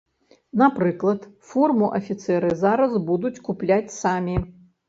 Напрыклад, форму афіцэры зараз будуць купляць самі.